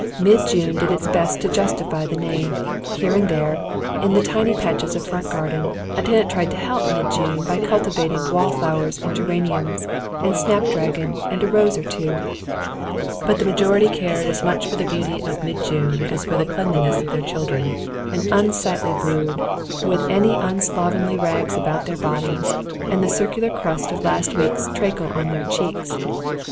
Mid June did its best to justify the name. Here and there, in the tiny patches of front garden, a tenant tried to help mid June by cultivating wall flowers and geraniums and snapdragon and a rose or two; but the majority cared as much for the beauty of mid June as for the cleanliness of their children, an unsightly brood, with any slovenly rags about their bodies, and the circular crust of last week's treacle on their cheeks.